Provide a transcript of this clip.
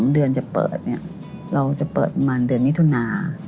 เดือนจะเปิดเนี่ยเราจะเปิดประมาณเดือนมิถุนา